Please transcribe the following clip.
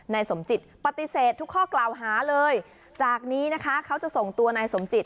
นายสมจิตปฏิเสธทุกข้อกล่าวหาเลยจากนี้นะคะเขาจะส่งตัวนายสมจิต